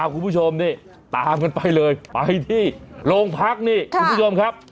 คุณผู้ชมนี่ตามกันไปเลยไปที่โรงพักนี่คุณผู้ชมครับ